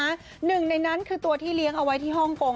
หนึ่งในนั้นคือตัวที่เลี้ยงเอาไว้ที่ฮ่องกง